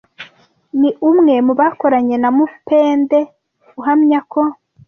ni umwe mu bakoranye na Mupende uhamya ko